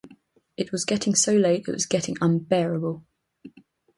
It was getting so late; it was getting unbearable.